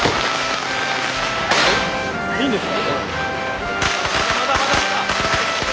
いいんですか？